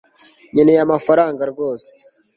Nkeneye amafaranga rwose